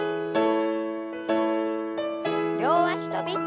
両足跳び。